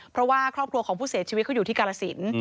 เพราะว่าครอบครัวของผู้เสียชีวิตเขาอยู่ที่กาลสิน